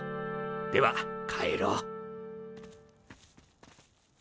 では帰ろう。